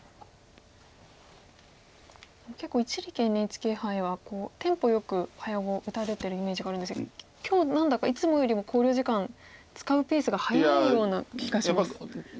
結構一力ＮＨＫ杯はテンポよく早碁を打たれてるイメージがあるんですが今日何だかいつもよりも考慮時間使うペースが早いような気がします。